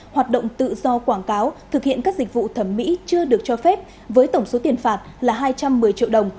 hoạt động tự do quảng cáo thực hiện các dịch vụ thẩm mỹ chưa được cho phép với tổng số tiền phạt là hai trăm một mươi triệu đồng